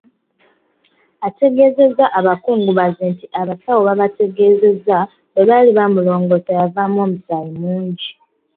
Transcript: Ategeezezza abakungubazi nti abasawo baabategeeza bwe baali bamulongoosa, yavaamu omusaayi mungi.